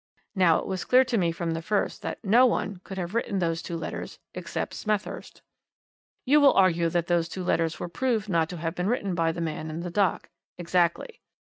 Now it was clear to me from the first that no one could have written those two letters except Smethurst. You will argue that those letters were proved not to have been written by the man in the dock. Exactly.